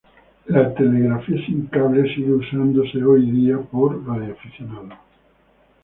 La telegrafía sin cable sigue usándose hoy día por Radioaficionados.